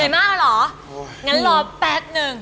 เหนื่อยมากหรองั้นรอแป๊บหนึ่ง